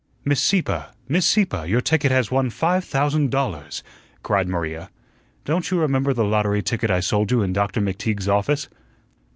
"Miss Sieppe, Miss Sieppe, your ticket has won five thousand dollars," cried Maria. "Don't you remember the lottery ticket I sold you in Doctor McTeague's office?"